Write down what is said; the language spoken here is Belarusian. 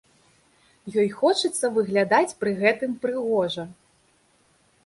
Ёй хочацца выглядаць пры гэтым прыгожа.